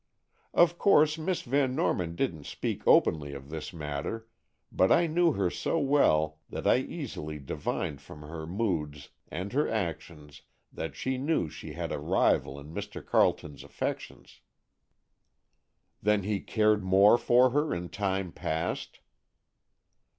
"Of course Miss Van Norman didn't speak openly of this matter, but I knew her so well that I easily divined from her moods and her actions that she knew she had a rival in Mr. Carleton's affections." "Then he cared more for her in time past?"